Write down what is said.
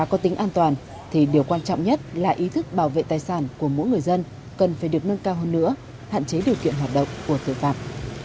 có tính an toàn thì điều quan trọng nhất là ý thức bảo vệ tài sản của mỗi người dân cần phải được nâng cao hơn nữa hạn chế điều kiện hoạt động của tội phạm